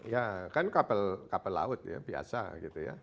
ya kan kapal laut ya biasa gitu ya